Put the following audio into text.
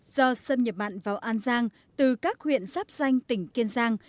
do xâm nhập mặn vào an giang từ các huyện giáp danh tỉnh kiên giang